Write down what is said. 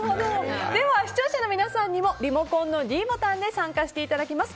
では視聴者の皆さんにもリモコンのｄボタンで参加していただきます。